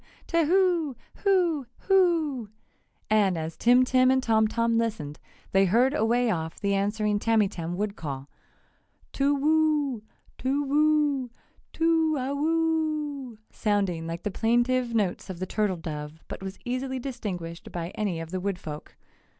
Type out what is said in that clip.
And as Tim Tim and Tom Tom listened, they heard away off the answering Tamytam wood call: "Toowoo toowoo tooawoooooo!" sounding like the plaintive notes of the turtle dove but was easily distinguished by any of the woodfolk.